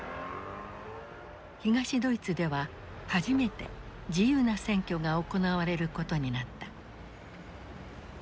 東ドイツでは初めて自由な選挙が行われることになった。